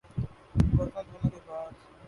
برتن دھونے کے بعد